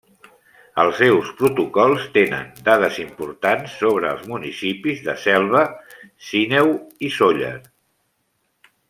Els seus protocols tenen dades importants sobre els municipis de Selva, Sineu i Sóller.